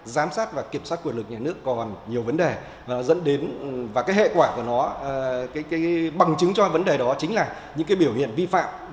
giám sát và kiểm soát quyền lực nhà nước còn nhiều vấn đề và nó dẫn đến và cái hệ quả của nó cái bằng chứng cho vấn đề đó chính là những cái biểu hiện vi phạm